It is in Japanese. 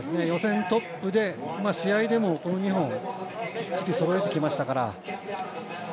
予選トップで試合でも、この２本きっちりそろえてきましたから。